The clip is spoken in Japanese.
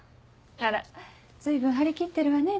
あら随分張り切ってるわね